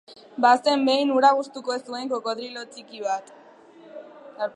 Bazen behin ura gustuko ez zuen krokodilo txiki bat.